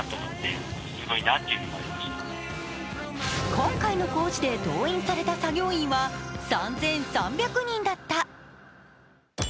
今回の工事で動員された作業員は３３００人だった。